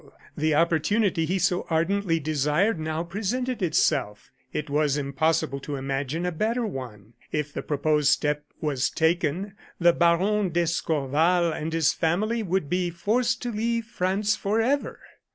the opportunity he so ardently desired now presented itself. It was impossible to imagine a better one. If the proposed step was taken the Baron d'Escorval and his family would be forced to leave France forever!